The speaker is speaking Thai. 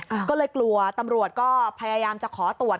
ก็เลยกลัวตำรวจก็พยายามจะขอตรวจ